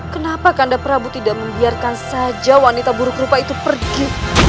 kenapa karena prabu tidak membiarkan saja wanita buruk rupa itu pergi